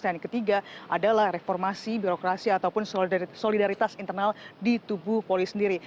dan yang ketiga adalah reformasi birokrasi ataupun solidaritas internal di tubuh polis sendiri